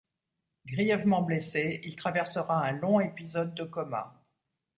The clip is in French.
Grièvement blessé, il traversera un long épisode de coma.